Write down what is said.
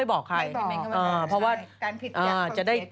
ไม่บอกใช่ความผิดอย่างความเกลียดใจ